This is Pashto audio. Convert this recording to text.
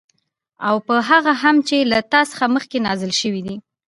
او په هغه هم چې له تا څخه مخكي نازل شوي دي